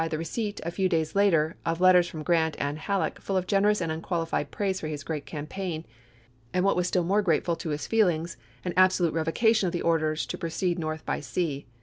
the receipt a few days later of letters from Grant and Halleck, full of generous and unqualified praise for his great campaign, and what was still more grate ful to his feelings, an absolute revocation of the orders to proceed North by sea.